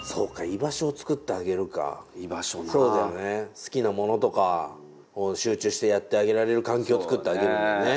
好きなものとかを集中してやってあげられる環境を作ってあげるんだね。